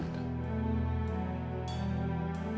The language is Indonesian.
tidak ada yang bisa diberikan